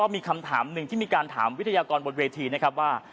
มีคำถามหนึ่งที่มีการถามวิทยากรบนเวทีนะครับว่า